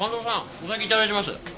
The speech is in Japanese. お先いただいてます。